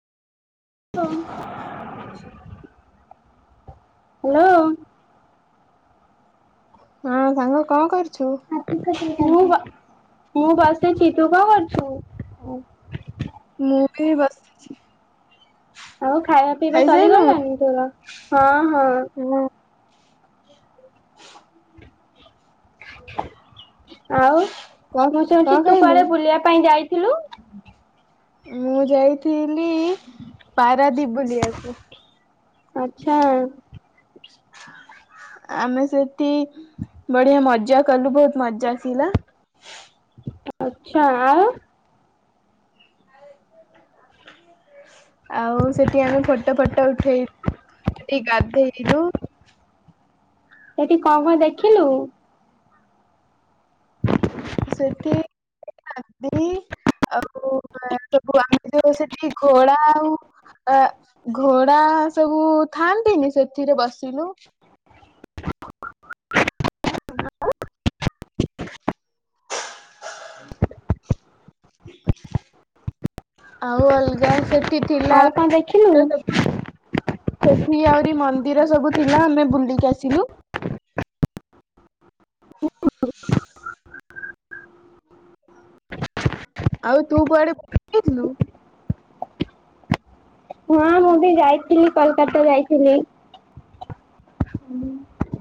[inaudible] [inaudible] Hello. ହଁ ସାଙ୍ଗ କଣ କରୁଛୁ? ମୁଁ ମୁଁ ବସଛି ତୁ କଣ କରୁଛୁ? ମୁଁ ବି ବସିଛି। ଆଉ ଖାଇବା ପିଇବା ଖାଇସାଇଲୁଣି ଚାଲିଗଲଣିି ତୋର ହଁ, ହଁ। ହୁଁ। ଆଉ କଣ ମୁଁ କଣ ଶୁଣୁଛି ତୁ ଖାଇଲୁ? କୁଆଡେ ବୁଲିବା ପାଇଁ ଯାଇଥିଲୁ। ମୁଁ ଯାଇଥିଲି ପାରାଦୀପ ବୁଲିଆକୁ। ଆଛା। ଆମେ ସେଠି ବଢିଆ ମଜା କଲୁ ବହୁତ ମଜା ଆସିଲା। ଆଛା ଆଉ। ଆଉ ସେଠି ଆମେ ଫଟୋ ଫଟ ଉଠେଇଲୁ ସେଠି ଗାଧେଇଲୁ। ସେଠି କଣ କଣ ଦେଖିଲୁ? ସେଠି [unintelligible] ଆଉ ସବୁ ଆମେ ଯୋଉ ସେଠି ଘୋଳା ଆଉ ଅ ଘୋଡା ସବୁ ଥାଆନ୍ତିନି ସେଥିରେ ବସିଲୁ। [inaudible] ଆଉ ଅଲଗା ସେଠ ସେଠି ଥିଲା ଆଉ କଣ ଦେଖିଲୁ? [unintelligible] ସେଠି ଆହୁରି ମନ୍ଦିର ସବୁ ଥିଲା ଆମେ ବୁଲିକି ଆସିଲୁ। ଆଉ ତୁ କୁଆଡେ ବୁଲି ଯାଇଥିଲୁ। ହଁ ମୁଁ ବି ଯାଇଥିଲି କୋଲକାତା ଯାଇଥିଲି।